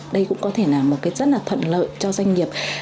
đây cũng có thể là một cái rất là thuận lợi cho doanh nghiệp